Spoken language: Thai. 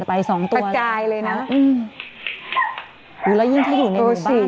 ไปสองตัวตัดกายเลยน่ะอืมอยู่แล้วยิ่งถ้าอยู่ในหมู่บ้าน